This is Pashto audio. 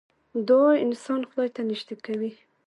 دعا انسان خدای ته نژدې کوي .